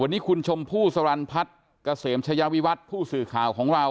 วันนี้ทุนชมพู่ศรันย์พัฐนพกะเสยมชาวิวัทธ์ผู้สื่อข่าวของเรา